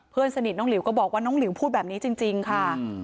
เพื่อนสนิทน้องหลิวก็บอกว่าน้องหลิวพูดแบบนี้จริงค่ะ